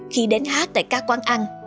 khi đến hát tại các quán ăn